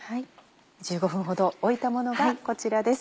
１５分ほど置いたものがこちらです。